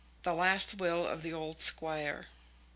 The Last Will of the Old Squire.